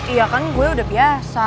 iya kan gue udah biasa